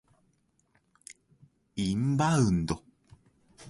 インバウンド